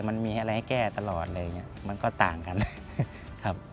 มันมีอะไรให้แก้ตลอดอะไรอย่างนี้มันก็ต่างกันครับ